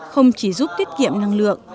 không chỉ giúp tiết kiệm năng lượng